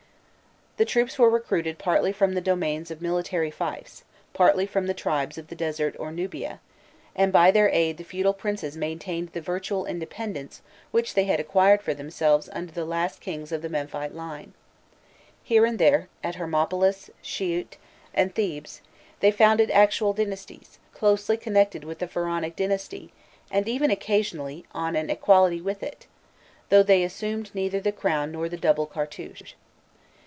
The troops were recruited partly from the domains of military fiefs, partly from tribes of the desert or Nubia, and by their aid the feudal princes maintained the virtual independence which they had acquired for themselves under the last kings of the Memphite line. Here and there, at Hermopolis, Shit, and Thebes, they founded actual dynasties, closely connected with the Pharaonic dynasty, and even occasionally on an equality with it, though they assumed neither the crown nor the double cartouche.